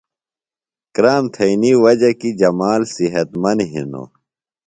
کرام تھئینی وجہ کیۡ جمال صحت مند ہِنوۡ۔